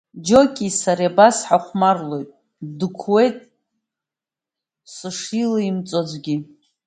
Џьокии сареи абас ҳахәмарлоит, Дықәуеит сышилаимҵо аӡәгьы.